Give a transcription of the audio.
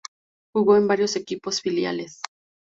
Jugó en varios equipos filiales.